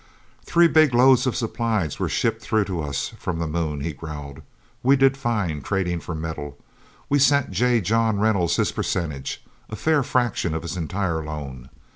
"Three big loads of supplies were shipped through to us from the Moon," he growled. "We did fine, trading for metal. We sent J. John Reynolds his percentage a fair fraction of his entire loan.